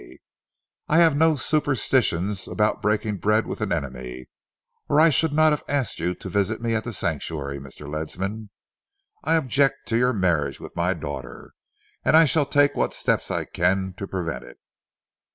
"I have no superstitions about breaking bread with an enemy, or I should not have asked you to visit me at The Sanctuary, Mr. Ledsam. I object to your marriage with my daughter, and I shall take what steps I can to prevent it."